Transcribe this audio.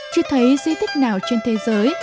chưa thấy di tích nào trên thế giới